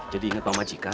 jadi ingat pak majikan